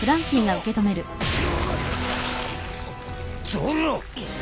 ゾロ！